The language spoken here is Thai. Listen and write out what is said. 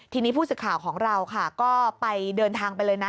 ทีนี้ผู้สื่อข่าวของเราค่ะก็ไปเดินทางไปเลยนะ